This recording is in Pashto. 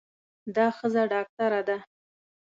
دا ښځه ډاکټره ده.